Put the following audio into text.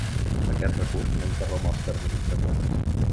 Aquest recurs no interromp els terminis següents.